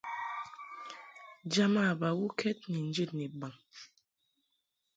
Jama bawukɛd ni njid ni baŋ.